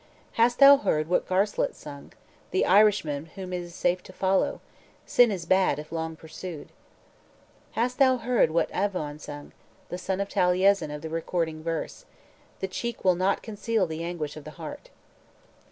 "Hast thou heard what Garselit sung, The Irishman whom it is safe to follow? Sin is bad, if long pursued." "Hast thou heard what Avaon sung, The son of Taliesin, of the recording verse? The cheek will not conceal the anguish of the heart."